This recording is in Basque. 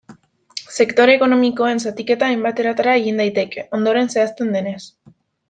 Sektore ekonomikoen zatiketa hainbat eratara egin daiteke, ondoren zehazten denez.